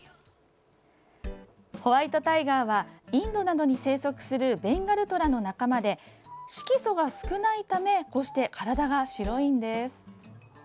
ホワイトタイガーはインドなどに生息するベンガルトラの仲間で色素が少ないためこうして体が白いんです。